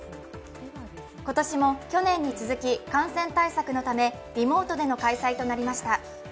今年も去年に続き、感染対策のためリモートでの開催となりました。